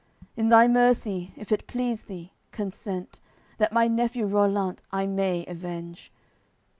In Thy Mercy, if it please Thee, consent That my nephew Rollant I may avenge.